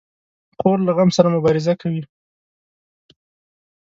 خور له غم سره مبارزه کوي.